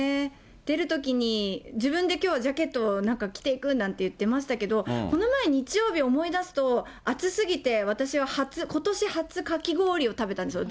出るときに、自分できょう、ジャケットをなんか着ていくなんて言ってましたけど、この前、日曜日思い出すと、暑すぎて、私はことし初かき氷を食べたんですよ。